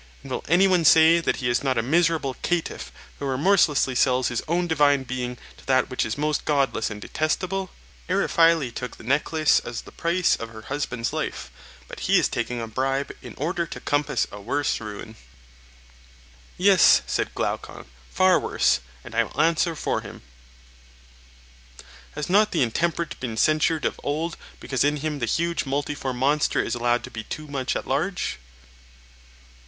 And will any one say that he is not a miserable caitiff who remorselessly sells his own divine being to that which is most godless and detestable? Eriphyle took the necklace as the price of her husband's life, but he is taking a bribe in order to compass a worse ruin.' Yes, said Glaucon, far worse—I will answer for him. Has not the intemperate been censured of old, because in him the huge multiform monster is allowed to be too much at large?